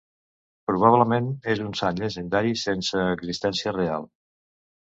Probablement, és un sant llegendari, sense existència real.